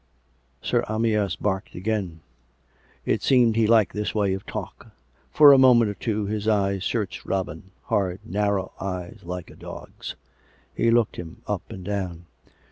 Sir Amyas barked again. It seemed he liked this way of talk. For a moment or two his eyes searched Robin — hard, narrow eyes like a dog's; he looked him up and down.